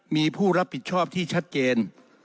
มีผู้รับผิดชอบที่ชัดเจน